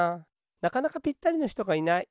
なかなかぴったりのひとがいない。